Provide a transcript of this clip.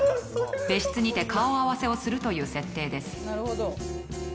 別室にて顔合わせをするという形です。